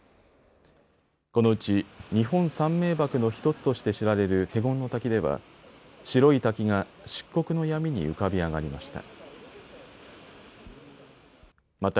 このうち日本三名ばくの１つとして知られる華厳滝では白い滝が漆黒の闇に浮かび上がりました。